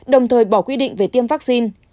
đồng thời bỏ quy định về tiêm vaccine